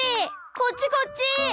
こっちこっち！